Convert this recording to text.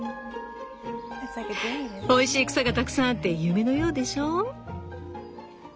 おいしい草がたくさんあって夢のようでしょう？